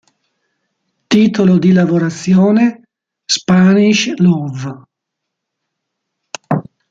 Titolo di lavorazione: "Spanish Love".